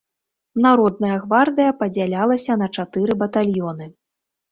Народная гвардыя падзялялася на чатыры батальёны.